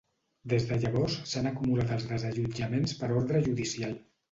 Des de llavors, s’han acumulat els desallotjaments per ordre judicial.